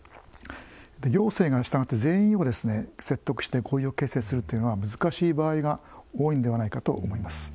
行政が全員を説得して合意形成をするというのは難しい場合が多いのではないかと思います。